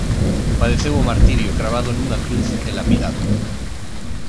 Padeceu o martirio cravado nunha cruz e lapidado.